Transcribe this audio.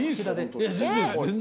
全然。